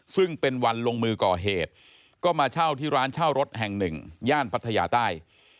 ซึ่งเป็นวันลงมือก่อเหตุก็มาเช่าที่ร้านเช่ารถแห่งหนึ่งย่านพัทยาใต้